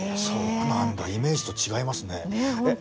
そうなんだイメージと違いますね。